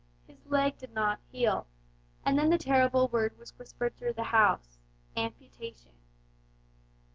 His leg did not heal, and then the terrible word was whispered through the house "amputation"!